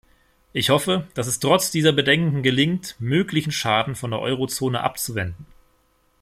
Ich hoffe, dass es trotz dieser Bedenken gelingt, möglichen Schaden von der Euro-Zone abzuwenden.